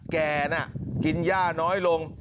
แกน่ะกินย่าน้อยลง